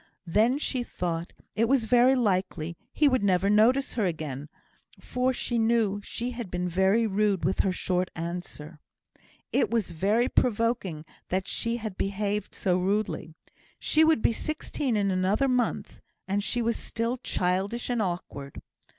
Then she thought it was very likely he never would notice her again, for she knew she had been very rude with her short answers; it was very provoking that she had behaved so rudely. She should be sixteen in another month, and she was still childish and awkward.